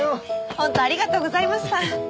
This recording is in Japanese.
本当ありがとうございました。